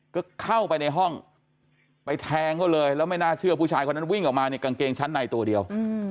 ก็เข้าไปในห้องไปแทงเขาเลยแล้วไม่น่าเชื่อผู้ชายคนนั้นวิ่งออกมาเนี่ยกางเกงชั้นในตัวเดียว